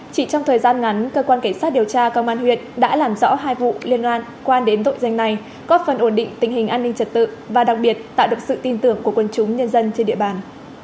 chỉ trong thời gian ngắn cơ quan cảnh sát điều tra công an huyện đã làm rõ hai vụ liên quan đến tội danh này có phần ổn định tình hình an ninh trật tự và đặc biệt tạo được sự tin tưởng của quân chúng nhân dân trên địa bàn